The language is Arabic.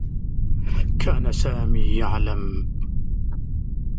كان سامي يعلم.